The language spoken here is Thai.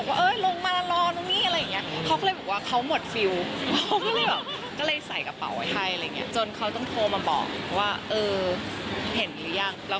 แล้วคนที่กรองเข้ามาคอบกระจกว่าออกมาเดี๋ยวเลย